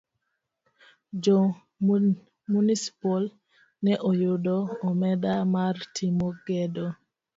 Jo munispol ne oyudo omenda mar timo gedo.